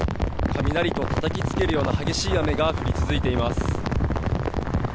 雷と、たたきつけるような激しい雨が降り続いています。